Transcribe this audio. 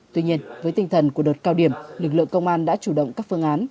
tuy nhiên với tinh thần của đợt cao điểm lực lượng công an đã chủ động các phương án